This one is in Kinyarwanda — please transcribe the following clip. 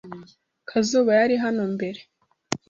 Kazuba yari hano mbere.